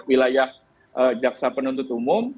wilayah jaksa penuntut umum